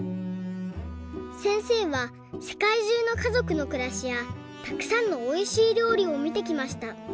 せんせいはせかいじゅうのかぞくのくらしやたくさんのおいしいりょうりをみてきました。